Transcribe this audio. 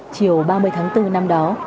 chiều ba mươi tháng bốn năm đó